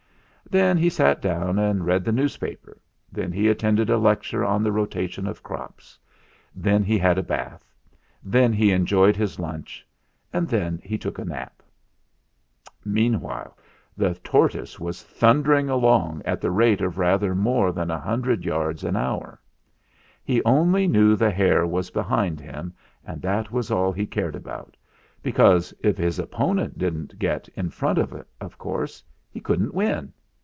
Then he sat down and read the newspaper ; then he attended a lecture on the rotation of crops; then he had a bath; then he enjoyed his lunch; and then he took a nap. "Meanwhile the tortoise was thundering along at the rate of rather more than a hun 148 THE FLINT HEART dred yards an hour. He only knew the hare was behind him, and that was all he cared about, because if his opponent didn't get in front of course he couldn't win.